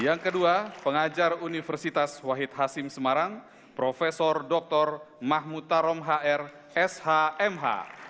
yang kedua pengajar universitas wahid hasim semarang prof dr mahmud tarom hr shmh